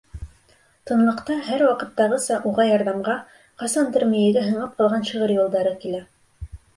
Тынлыҡта һәр ваҡыттағыса уға ярҙамға ҡасандыр мейегә һеңеп ҡалған шиғыр юлдары килә.